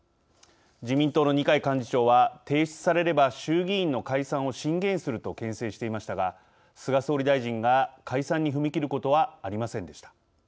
自民党の二階幹事長は提出されれば衆議院の解散を進言するとけん制していましたが菅総理大臣が解散に踏み切ることはありませんでした。